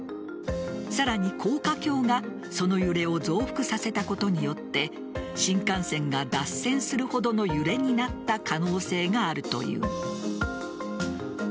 さらに高架橋が、その揺れを増幅させたことによって新幹線が脱線するほどの揺れになった可能性があるという。